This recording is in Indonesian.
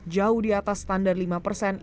jauh di atas standar lima persen